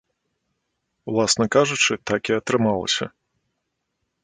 Уласна кажучы, так і атрымалася.